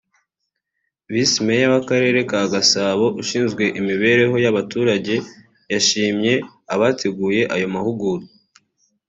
Visi Meya w’Akarere ka Gasabo ushinzwe imibereho y’abaturage yashimye abateguye ayo mahugurwa